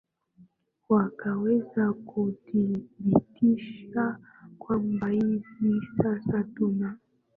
wakaweza kudhibitisha kwamba hivi sasa tuna